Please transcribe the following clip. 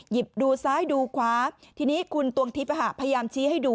ดูซ้ายดูขวาทีนี้คุณตวงทิพย์พยายามชี้ให้ดู